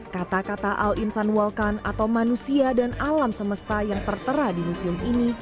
kata kata al insanwalkan atau manusia dan alam semesta yang tertera di museum ini